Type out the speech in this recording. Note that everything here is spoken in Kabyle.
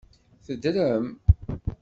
Teddrem?